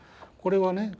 これはね